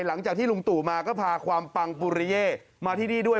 หลังจากที่ลุงตู่มาก็พาความปังปุริเย่มาที่นี่ด้วย